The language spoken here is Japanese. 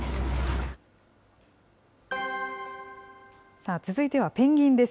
さあ続いてはペンギンです。